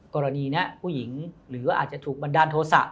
กรณีนี้ผู้หญิงหรือว่าอาจจะถูกบันดาลโทษะ